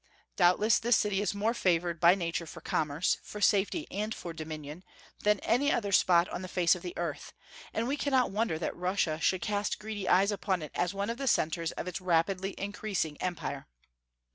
Doubtless this city is more favored by nature for commerce, for safety, and for dominion, than any other spot on the face of the earth; and we cannot wonder that Russia should cast greedy eyes upon it as one of the centres of its rapidly increasing Empire.